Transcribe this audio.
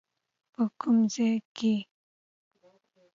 په کوم ځای کې؟